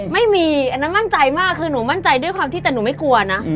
ไม่มีอันนั้นมั่นใจมากคือหนูมั่นใจด้วยความที่แต่หนูไม่กลัวนะ